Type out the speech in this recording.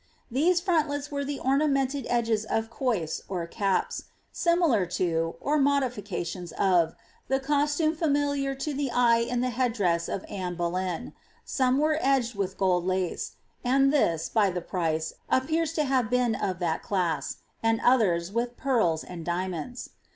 These frontlets were the ornaniented edges of coifs or caps, similar to, or moditicatioos iC the costume familiar to the eve in the head dress of Anne Bolevn ; ^ome were edged with gold lace — and this, by the price, appears to have been of tliat class — and others with pearls and diamonds.